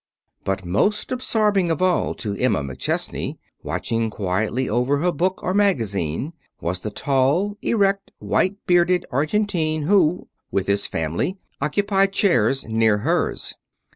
But most absorbing of all to Emma McChesney, watching quietly over her book or magazine, was a tall, erect, white bearded Argentine who, with his family, occupied chairs near hers.